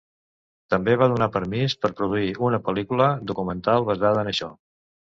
També va donar permís per produir una pel·lícula documental basada en això.